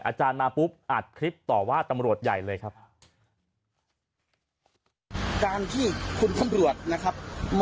อาจารย์มาปุ๊บอัดคลิปต่อว่าตำรวจใหญ่เลยครับ